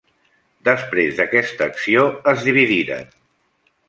Després d'aquesta acció, es dividiren.